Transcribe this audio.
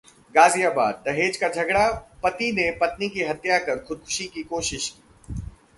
गाजियाबाद: दहेज का झगड़ा, पति ने पत्नी की हत्या कर खुदकुशी की कोशिश की